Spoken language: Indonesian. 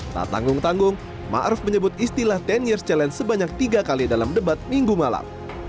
tak tanggung tanggung ⁇ maruf ⁇ menyebut istilah sepuluh years challenge sebanyak tiga kali dalam debat minggu malam